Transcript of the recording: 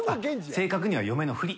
正確には嫁のふり。